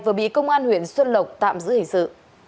vừa bị công an huyện xuân lộc tạm giữ hình sự